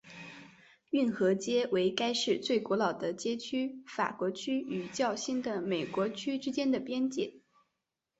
运河街为该市最古老的街区法国区与较新的美国区之间的边界。